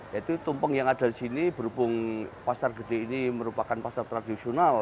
yaitu tumpeng yang ada di sini berhubung pasar gede ini merupakan pasar tradisional